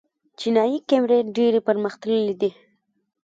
چینايي کیمرې ډېرې پرمختللې دي.